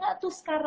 pengen jual emasnya